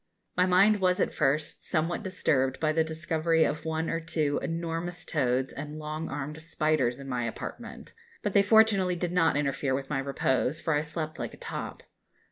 My mind was at first somewhat disturbed by the discovery of one or two enormous toads and long armed spiders in my apartment; but they fortunately did not interfere with my repose, for I slept like a top.